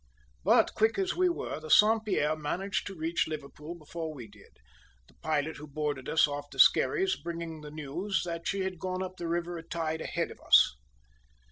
But, quick as we were, the Saint Pierre managed to reach Liverpool before we did, the pilot who boarded us off the Skerries bringing the news that she had gone up the river a tide ahead of us.